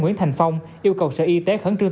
nguyễn thành phong yêu cầu sở y tế khẩn trương